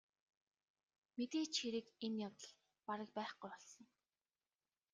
Мэдээж хэрэг энэ явдал бараг байхгүй болсон.